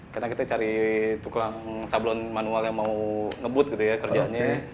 karena kita cari tukang sablon manual yang mau ngebut kerjaannya